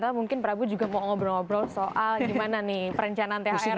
mungkin prabu juga mau ngobrol ngobrol soal gimana nih perencanaan thr